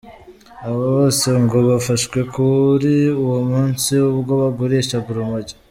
Abo bose ngo bafashwe kuri uwo munsi ubwo bagurishaga urumogi.